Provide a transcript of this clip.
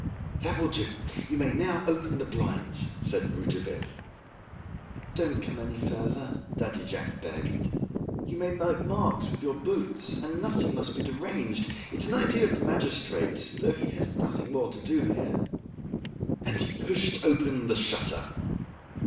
"That will do! you may now open the blinds," said Rouletabille. "Don't come any further," Daddy Jacques begged, "you may make marks with your boots, and nothing must be deranged; it's an idea of the magistrate's though he has nothing more to do here." And he pushed open the shutter.